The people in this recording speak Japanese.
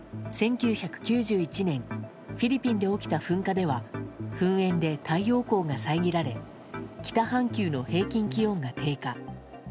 １９９１年フィリピンで起きた噴火では噴煙で太陽光が遮られ北半球の平均気温が低下。